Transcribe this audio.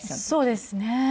そうですね。